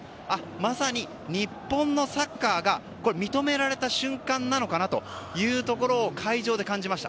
まさに日本のサッカーが認められた瞬間なのかなというところを会場で感じました。